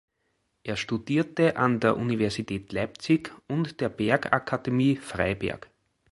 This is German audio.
Er studierte an der Universität Leipzig und der Bergakademie Freiberg.